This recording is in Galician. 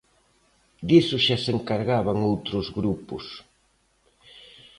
Diso xa se encargaban outros grupos.